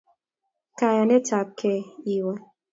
Kayanet tab gei iwal